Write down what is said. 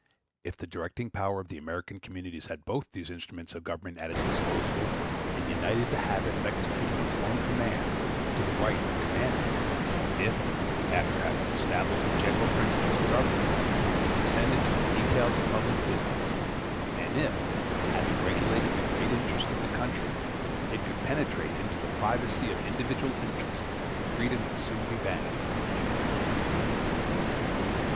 If the directing power of the American communities had both these instruments of government at its disposal, and united the habit of executing its own commands to the right of commanding; if, after having established the general principles of government, it descended to the details of public business; and if, having regulated the great interests of the country, it could penetrate into the privacy of individual interests, freedom would soon be banished from the New World.